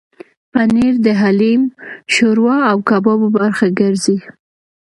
پنېر د حلیم، شوروا او کبابو برخه ګرځي.